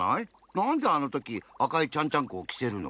なんであのとき赤いちゃんちゃんこをきせるの？